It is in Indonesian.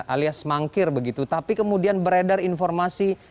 alias mangkir begitu tapi kemudian beredar informasi